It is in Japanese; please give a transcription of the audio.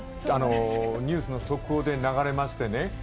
ニュースの速報で流れましてね。